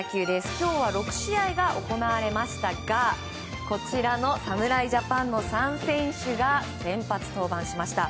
今日は６試合が行われましたがこちらの侍ジャパンの３選手が先発登板しました。